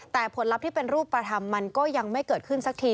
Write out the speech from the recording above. แต่ผลลัพธ์ที่เป็นรูปธรรมมันก็ยังไม่เกิดขึ้นสักที